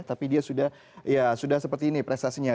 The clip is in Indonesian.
tapi dia sudah seperti ini prestasinya